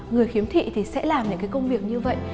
người khiếm thị thì sẽ làm những cái công việc như vậy